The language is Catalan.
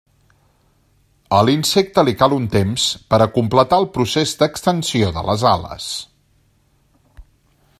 A l'insecte li cal un temps per a completar el procés d'extensió de les ales.